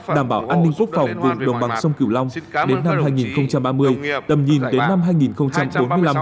đảm bảo an ninh quốc phòng vùng đồng bằng sông cửu long đến năm hai nghìn ba mươi tầm nhìn đến năm hai nghìn bốn mươi năm